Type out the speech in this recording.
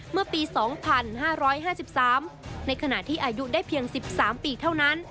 เมื่อปี๒๕๕๓ในขณะที่อายุได้เพียง๑๓ปีเท่านั้น